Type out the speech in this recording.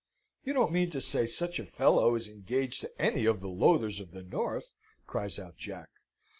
"You don't mean to say such a fellow is engaged to any of the Lowthers of the North?" cries out Jack.